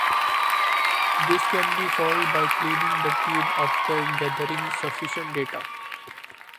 This can be solved by cleaning the tube after gathering sufficient data.